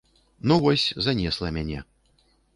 Ну вось, занесла мяне.